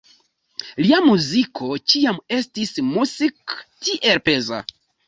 Lia muziko ĉiam estis Musik tiel peza.